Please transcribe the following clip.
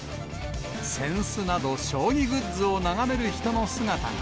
扇子など、将棋グッズを眺める人